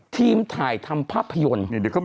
ทีมถ่ายทำภาพยนตร์